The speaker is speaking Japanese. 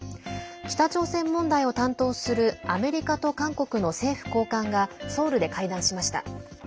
北朝鮮問題を担当するアメリカと韓国の政府高官がソウルで会談しました。